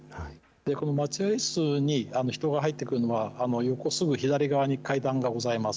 この待合室に人が入ってくるのは、横、すぐ左側に階段がございます。